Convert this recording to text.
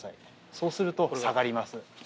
そうすると下がります。